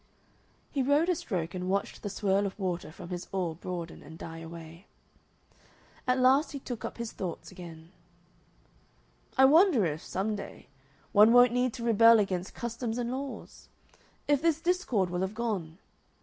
He rowed a stroke and watched the swirl of water from his oar broaden and die away. At last he took up his thoughts again: "I wonder if, some day, one won't need to rebel against customs and laws? If this discord will have gone?